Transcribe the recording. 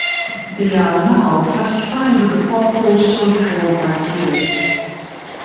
They are now classified with the purple sulfur bacteria.